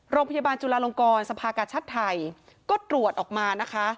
โรงพยาบาลจุลาลงกรสภากาชาติไทยก็ตรวจออกมานะคะ